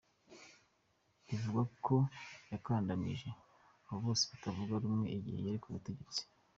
Bivugwa ko yakandamije abo bose batavuga rumwe igihe yari ku butegetsi.